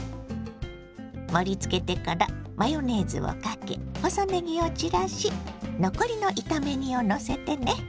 盛りつけてからマヨネーズをかけ細ねぎを散らし残りの炒め煮をのせてね。